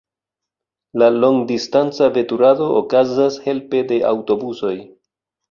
La longdistanca veturado okazas helpe de aŭtobusoj.